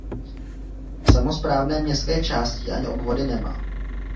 Samosprávné městské části ani obvody nemá.